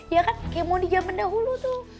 iya kan kayak mau di jaman dahulu tuh